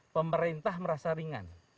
pemerintah merasa ringan